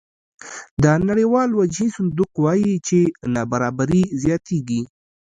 د نړیوال وجهي صندوق وایي چې نابرابري زیاتېږي